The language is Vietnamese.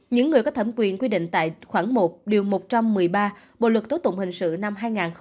những người có thẩm quyền quy định tại khoảng một một trăm một mươi ba bộ luật tố tụng hình sự năm hai nghìn một mươi năm